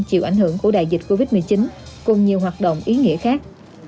chịu ảnh hưởng của đại dịch covid một mươi chín cùng nhiều hoạt động ý nghĩa khác